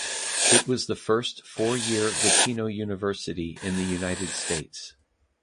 It was the first four-year Latino university in the United States.